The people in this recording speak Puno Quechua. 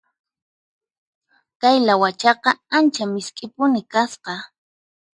Kay lawachaqa ancha misk'ipuni kasqa.